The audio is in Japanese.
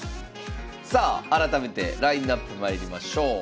さあ改めてラインナップまいりましょう。